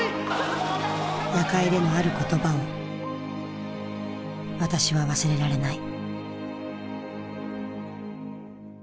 夜会でのある言葉を私は忘れられない。